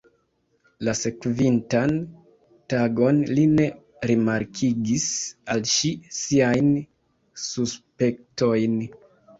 La sekvintan tagon li ne rimarkigis al ŝi siajn suspektojn.